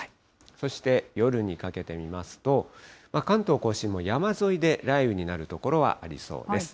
そして夜にかけて見ますと、関東甲信の山沿いで雷雨になる所はありそうです。